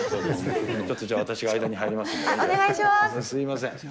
すみません。